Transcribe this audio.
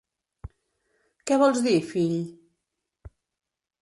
Què vols dir, fill?